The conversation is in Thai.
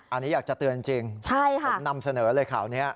อันนี้อยากจะเตือนจริงผมนำเสนอเลยข่าวนี้